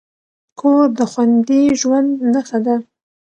کور د خوندي ژوند نښه ده.